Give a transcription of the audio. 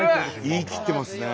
言い切ってますね。